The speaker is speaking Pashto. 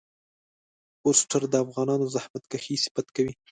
فورسټر د افغانانو زحمت کښی صفت کوي.